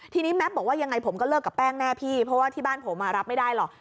ทีนี้แม็ปบอกว่ายังไงผมก็เลิกกับแป้งแน่พี่เพราะว่าที่บ้านผมรับไม่ได้หรอก